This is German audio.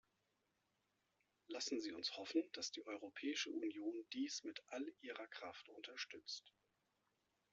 Lassen Sie uns hoffen, dass die Europäische Union dies mit all ihrer Kraft unterstützt.